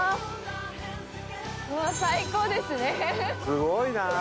すごいなあ。